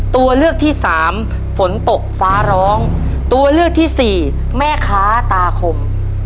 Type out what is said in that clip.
ตัวเลือกที่สามฝนตกฟ้าร้องตัวเลือกที่สี่แม่ค้าตาคม